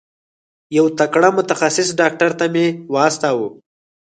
یو تکړه متخصص ډاکټر ته مي واستوه.